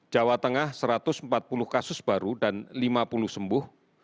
jawa tengah satu ratus empat puluh kasus baru dan lima puluh sembuh